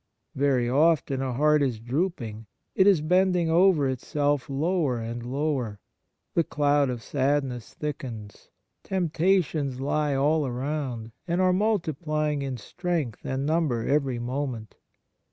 Very often a heart is drooping. It is bending over itself lower and lower. The cloud of sadness thickens. Tempta tions lie all around, and are multiplying in strength and number every moment.